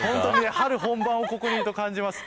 春本番をここにいると感じます。